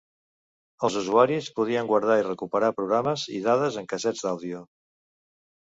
Els usuaris podien guardar i recuperar programes i dades en cassets d'àudio.